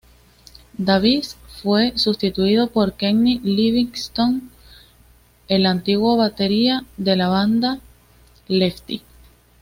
Davis fue sustituido por Kenny Livingston, el antiguo batería de la banda Lefty.